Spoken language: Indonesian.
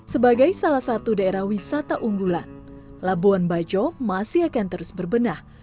sebagai salah satu daerah wisata unggulan labuan bajo masih akan terus berbenah